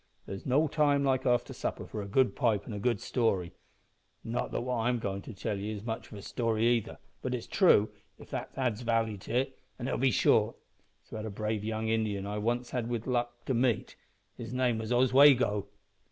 "There's no time like after supper for a good pipe an' a good story not that what I'm goin' to tell ye is much of a story either, but it's true, if that adds vally to it, an' it'll be short. It's about a brave young Indian I once had the luck to meet with. His name was Oswego."